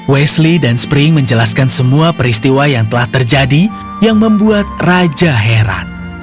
wesley dan spring menjelaskan semua peristiwa yang telah terjadi yang membuat raja heran